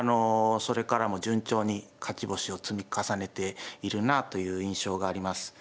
それからも順調に勝ち星を積み重ねているなという印象があります。